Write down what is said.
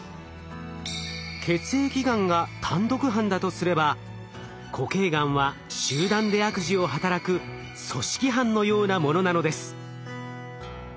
血液がんが単独犯だとすれば固形がんは集団で悪事を働く組織犯のようなものなのです。